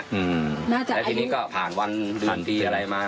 และทีนี้ก็ผ่านวันหลังปีอะไรมา